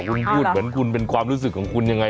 คุณพูดเหมือนคุณเป็นความรู้สึกของคุณยังไง